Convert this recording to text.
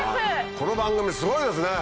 この番組すごいですね。